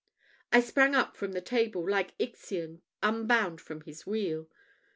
I sprang up from the table, like Ixion unbound from his wheel.